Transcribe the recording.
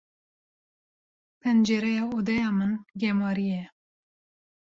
Pencereya odeya min gemarî ye.